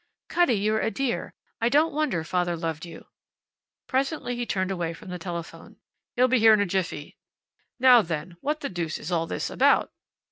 "Cutty, you're a dear. I don't wonder father loved you." Presently he turned away from the telephone. "He'll be here in a jiffy. Now, then, what the deuce is all this about?"